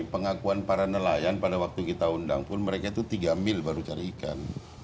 pengakuan para nelayan pada waktu kita undang pun mereka itu tiga mil baru cari ikan